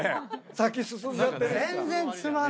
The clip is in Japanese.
⁉先進んじゃってるしさ。